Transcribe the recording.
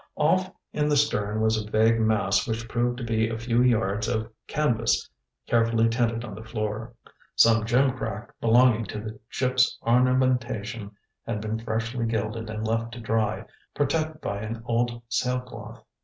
Off in the stern was a vague mass which proved to be a few yards of canvas carefully tented on the floor. Some gimcrack belonging to the ship's ornamentation had been freshly gilded and left to dry, protected by an old sail cloth.